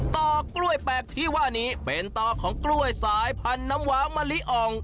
ต่อกล้วยแปลกที่ว่านี้เป็นต่อของกล้วยสายพันธุ์น้ำว้ามะลิอ่อง